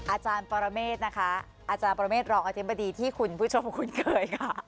อาจารย์ปรเมษรองอธิบดีที่คุณผู้ชมคุ้นเคยค่ะ